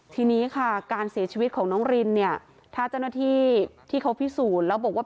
ทีนี้ค่ะการเสียชีวิตของน้องรินเนี่ยถ้าเจ้าหน้าที่ที่เขาพิสูจน์แล้วบอกว่า